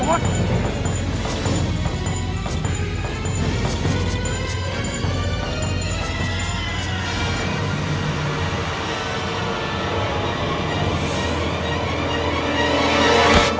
โดดแล้ว